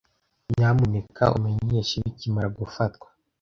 Nyamuneka umenyeshe bikimara gufatwa.